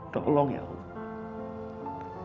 tolong ya allah